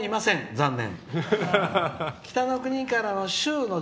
残念。